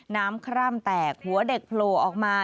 คร่ำแตกหัวเด็กโผล่ออกมา